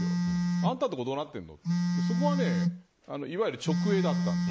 あんたのところどうなってるのってそこはいわゆる直営だったんです。